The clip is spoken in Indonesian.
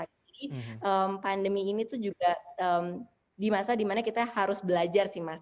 pandemi ini tuh juga di masa dimana kita harus belajar sih mas